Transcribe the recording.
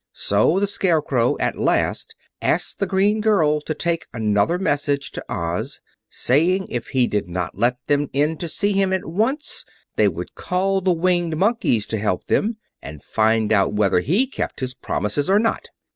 So the Scarecrow at last asked the green girl to take another message to Oz, saying if he did not let them in to see him at once they would call the Winged Monkeys to help them, and find out whether he kept his promises or not.